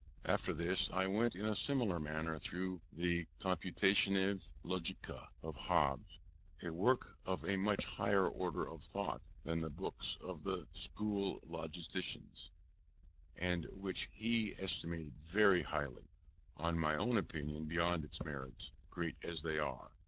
After this, I went in a similar manner through the Computatio sive Logica of Hobbes, a work of a much higher order of thought than the books of the school logicians, and which he estimated very highly; in my own opinion beyond its merits, great as these are.